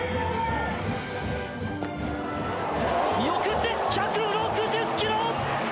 見送って１６０キロ！